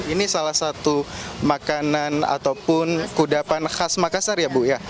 ini salah satu makanan ataupun kudapan khas makassar ya bu ya